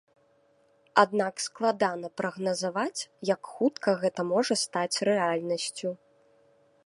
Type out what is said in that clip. Аднак складана прагназаваць, як хутка гэта можа стаць рэальнасцю.